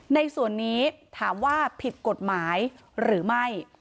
ในส่วนนี้ถามว่าผิดกฎหมายหรือไม่